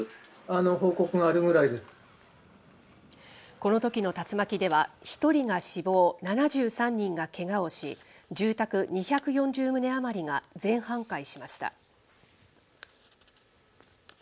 このときの竜巻では、１人が死亡、７３人がけがをし、住宅２４０棟余りが全半壊しました。